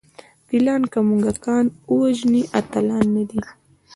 فیلان که موږکان ووژني اتلان نه دي.